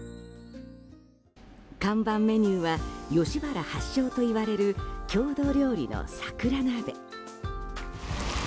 看板メニューは吉原発祥といわれる郷土料理の桜なべ。